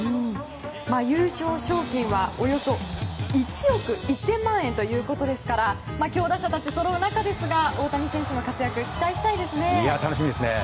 優勝賞金はおよそ１億１０００万円ということですから強打者たちがそろう中ですが大谷選手の活躍に期待したいですね。